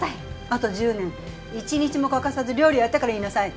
あと１０年一日も欠かさず料理をやってから言いなさい！